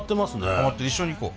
ハマってる一緒に行こう。